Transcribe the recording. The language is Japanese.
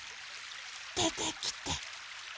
でてきて。